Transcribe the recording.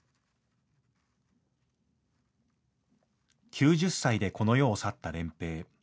９０歳でこの世を去った漣平。